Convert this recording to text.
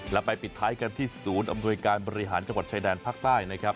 แล้วไปปิดท้ายกันที่ศูนย์อำนวยการบริหารจังหวัดชายแดนภาคใต้นะครับ